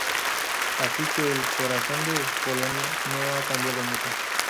Así que el "corazón" de Polonia no ha cambiado mucho.